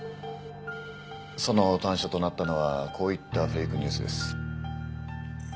「その端緒となったのはこういったフェイクニュースです」